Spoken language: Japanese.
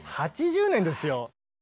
８０年ですよ。